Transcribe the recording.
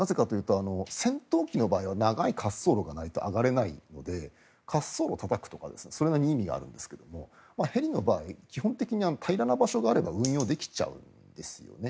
戦闘機の場合は長い滑走路がないと上がれないので滑走路を固くというのはそういう意味があるんですがヘリの場合、基本的に平らな場所があれば運用できちゃうんですよね。